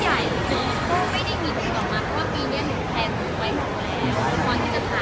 ถ้าเกิดใครจะกล้าจ้างเราอีกครั้งที่เราอยู่ที่เคยมีค่าวไปบนตรงเยี่ยมงานบนนักงาน